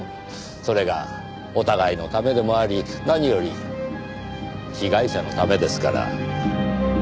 それがお互いのためでもあり何より被害者のためですから。